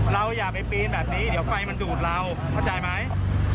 อย่าไปปีนแบบนี้เดี๋ยวไฟมันดูดเราเข้าใจไหม